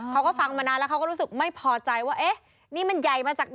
เขาก็ฟังมานานแล้วเขาก็รู้สึกไม่พอใจว่าเอ๊ะนี่มันใหญ่มาจากไหน